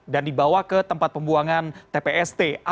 dan dibawa ke tempat pembuangan tpst